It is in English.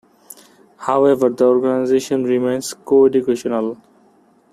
However, the organisation remains co-educational.